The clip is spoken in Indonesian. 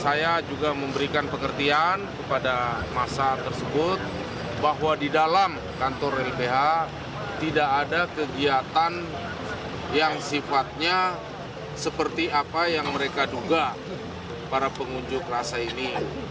saya juga memberikan pengertian kepada masa tersebut bahwa di dalam kantor lph tidak ada kegiatan yang sifatnya seperti apa yang mereka duga para pengunjuk rasa ini